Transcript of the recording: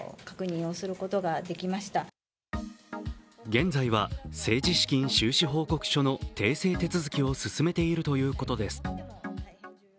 現在は政治資金収支報告書の訂正手続きを進めているということです。